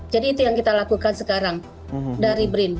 jadi itu yang kita lakukan sekarang dari ibrin